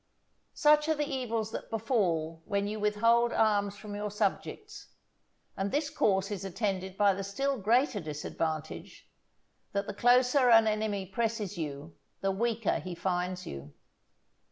Such are the evils that befall when you withhold arms from your subjects; and this course is attended by the still greater disadvantage, that the closer an enemy presses you the weaker he finds you.